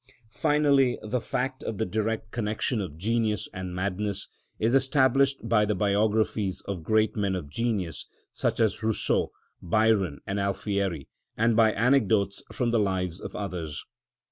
Finally, the fact of the direct connection of genius and madness is established by the biographies of great men of genius, such as Rousseau, Byron, and Alfieri, and by anecdotes from the lives of others.